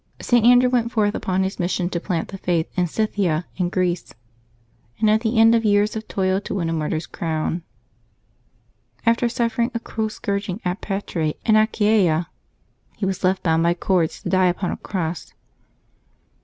St. Andrew went forth upon his mission to plant the Faith in Scythia and Greece, and at the end of years of toil to win a martyr's crown. After suffering a cruel scourging at Patrae in Achaia, he was left, bound by cords, to die upon a cross.